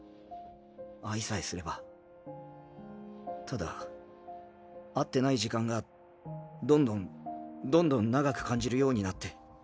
ただ会ってない時間がどんどんどんどん長く感じるようになって。